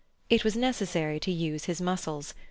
It was necessary to use his muscles.